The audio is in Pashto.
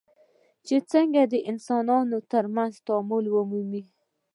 چې څنګه د انسانانو ترمنځ تعامل ومومي.